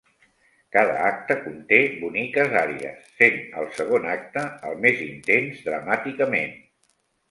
Cada acte conté boniques àries, sent el segon acte el més intens dramàticament.